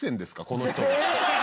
この人。